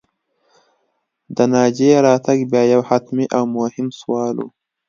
د ناجيې راتګ بیا یو حتمي او مهم سوال و